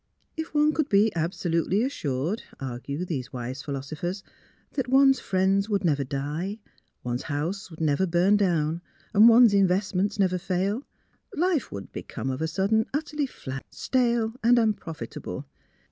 If one could be absolutely assured, argue these wise philosophers, that one's friends would never die, one's house never burn down, one's invest ments never fail, life would become of a sudden utterly flat, stale, and unprofitable.